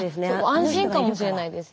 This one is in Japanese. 安心かもしれないです。